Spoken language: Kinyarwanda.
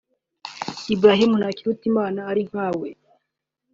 Ibrahim Ntakirutimana (Ari nkawe)